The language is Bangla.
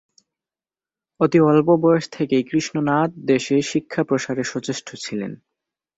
অতি অল্প বয়স থেকেই কৃষ্ণনাথ দেশে শিক্ষা প্রসারের সচেষ্ট ছিলেন।